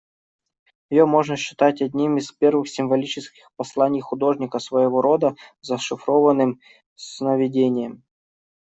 Ее можно считать одним из первых символических посланий художника, своего рода зашифрованным «сновидением».